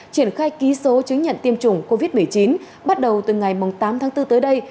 triển khai ký số chứng nhận tiêm chủng covid một mươi chín bắt đầu từ ngày tám tháng bốn tới đây